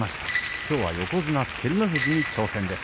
きょうは横綱照ノ富士に挑戦です。